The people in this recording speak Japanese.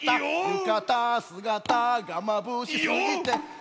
浴衣姿がまぶしすぎて「いよっ」。